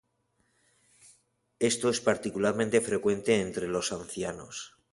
Esto es particularmente frecuente entre los ancianos.